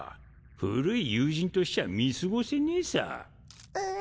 古い友人としちゃ見過ごせねえさ。